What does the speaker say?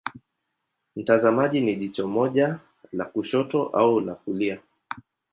Mtazamaji ni jicho moja la kushoto au la kulia.